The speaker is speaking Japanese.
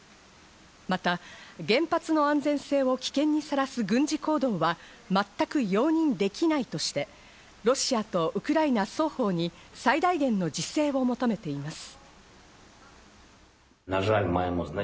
また原発の安全性を危険にさらす軍事行動は、全く容認できないとして、ロシアとウクライナ双方に最大限の自制を求めています。